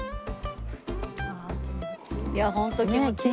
いやホント気持ちいい。